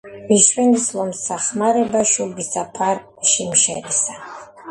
ვის ჰშვენის, - ლომსა, - ხმარება შუბისა, ფარ-შიმშერისა,